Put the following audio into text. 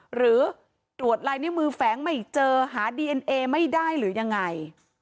หรือตรวจลายนิ้วมือแฝงไม่เจอหาดีเอ็นเอไม่ได้หรือยังไง